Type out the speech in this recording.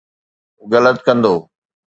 غلط ڪندو.